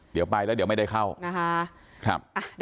เดี๋ยวไปแล้วเดี๋ยวไม่ได้เข้านะคะ